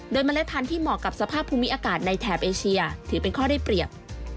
โดยเมล็ดพันธุ์ที่เหมาะกับสภาพภูมิอากาศในแถบเอเชียถือเป็นข้อได้เปรียบ